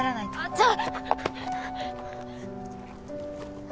じゃあ！